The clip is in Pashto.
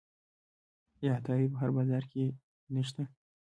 آیا عطاري په هر بازار کې نشته؟